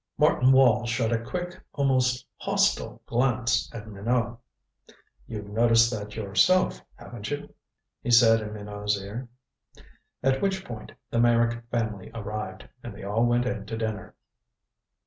Martin Wall shot a quick, almost hostile glance at Minot. "You've noticed that yourself, haven't you?" he said in Minot's ear. At which point the Meyrick family arrived, and they all went in to dinner.